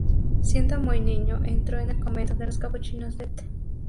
Siendo muy niño entró en el convento de los capuchinos de Caudete.